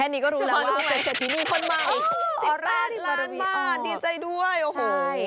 ที่มีคนมาอีก๑๘ล้านบาทดีใจด้วยโอ้โฮ๑๘ล้านบาทอ๋อ